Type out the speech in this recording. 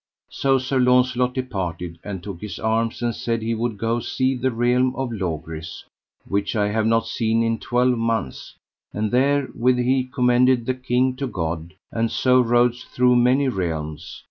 So Sir Launcelot departed, and took his arms, and said he would go see the realm of Logris, which I have not seen in twelve months. And therewith he commended the king to God, and so rode through many realms.